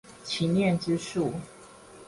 祈念之樹